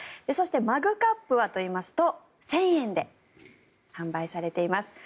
そしてマグカップはといいますと１０００円で販売されています。